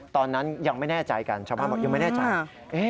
ตอนนั้นยังไม่แน่ใจกันชาวบ้านบอกยังไม่แน่ใจ